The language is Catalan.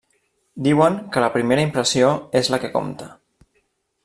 Diuen que la primera impressió és la que compta.